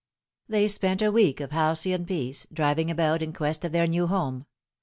They spent a week of halcyon peace, driving about in quest of their new home.